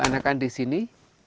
anak an di sini